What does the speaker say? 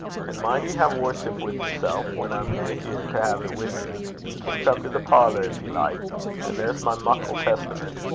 An' min' ye hae worship wi' yersel', whan I'm nae here to hae 't wi' ye. Ye can come benn to the parlour gin ye like. An' there's my muckle Testament.